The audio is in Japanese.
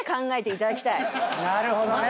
なるほどね。